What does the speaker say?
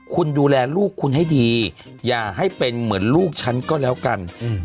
คุณดูแลลูกคุณให้ดีอย่าให้เป็นเหมือนลูกฉันก็แล้วกัน